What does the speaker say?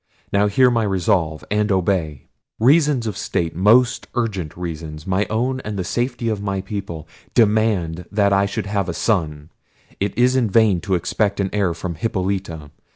Now hear my resolve, and obey. Reasons of state, most urgent reasons, my own and the safety of my people, demand that I should have a son. It is in vain to expect an heir from Hippolita.